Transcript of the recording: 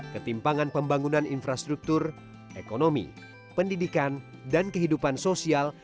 ketimpangan pembangunan infrastruktur ekonomi pendidikan dan kehidupan sosial